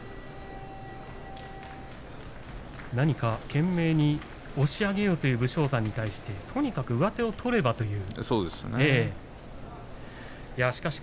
懸命に押し上げようという武将山にとにかく上手を取ればということでしたね。